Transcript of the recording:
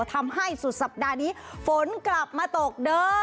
ทำให้สุดสัปดาห์นี้ฝนกลับมาตกเด้อ